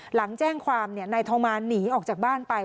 หลังแจ้งความนายทองมานหนีออกจากบ้านไป